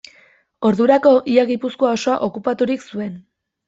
Ordurako ia Gipuzkoa osoa okupaturik zuen.